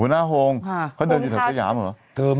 หัวหน้าโฮงเขาเดินอยู่แถวสยามเหรอ